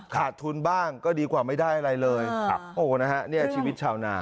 ขาดทุนบ้างก็ดีกว่าไม่ได้อะไรเลยครับโอ้นะฮะเนี่ยชีวิตชาวนา